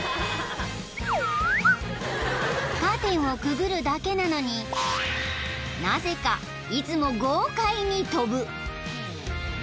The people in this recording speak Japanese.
［カーテンをくぐるだけなのになぜかいつも豪快に跳ぶ］